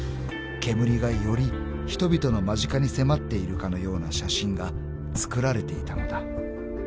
［煙がより人々の間近に迫っているかのような写真が作られていたのだ］